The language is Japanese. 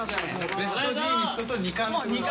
ベストジーニストと２冠。